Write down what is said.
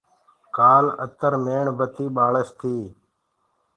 ڪآل اتر ميڻ بتي ٻآݪس تي۔